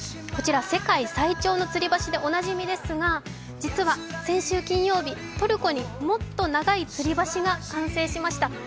こちら世界最長のつり橋でおなじみですが、実は先週金曜日トルコにもっと長いつり橋が完成しました